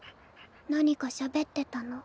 何かしゃべってたの？